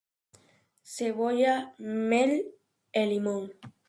Sebolla, mel e limón.